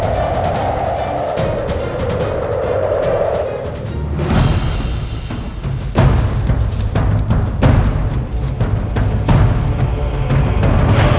tidak ada apa apa